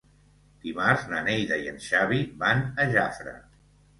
Dimarts na Neida i en Xavi van a Jafre.